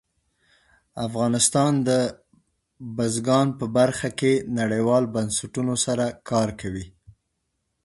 افغانستان د بزګان په برخه کې نړیوالو بنسټونو سره کار کوي.